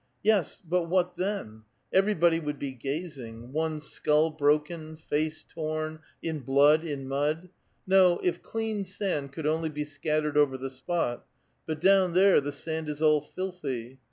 Yes, but what then ! Everybody would be gazing ; one's skull broken, face torn, in blood, in mud. No, if clean sand could only be scattered over the spot ; but down there the sand is all filthy.